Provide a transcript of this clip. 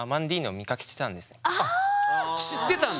知ってたんだ？